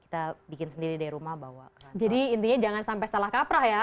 kita bikin sendiri dari rumah bahwa jadi intinya jangan sampai salah kaprah ya